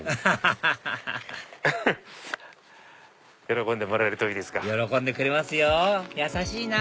アハハハハ喜んでもらえるといいですが。